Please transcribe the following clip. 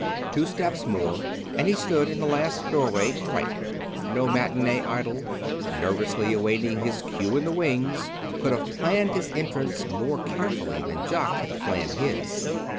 Two steps more, and he stood in the last doorway, right. No matinee idol, nervously awaiting his cue in the wings, could have planned his entrance more carefully than Jock had planned this.